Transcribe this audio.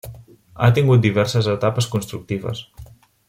Ha tingut diverses etapes constructives.